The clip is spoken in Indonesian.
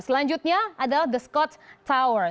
selanjutnya adalah the scots tower